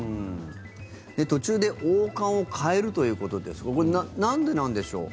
途中で王冠を変えるということでこれ、なんでなんでしょう？